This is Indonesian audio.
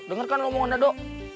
dengarkan omongan dado